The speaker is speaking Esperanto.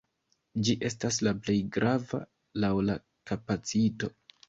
Ĝi estas la plej grava laŭ la kapacito.